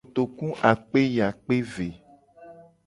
Kotoku akpe yi akpe ve.